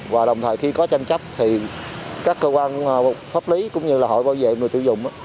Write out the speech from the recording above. và đồng thời khi có tranh chấp thì các cơ quan pháp lý cũng như là hội bảo vệ người tiêu dùng